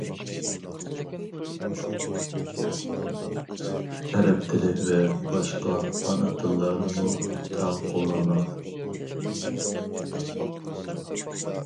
ئەرەب تىلى ۋە باشقا ئانا تىللارنىمۇ تەڭ قوللانغان.